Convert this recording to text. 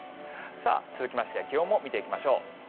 続きまして気温も見ていきましょう。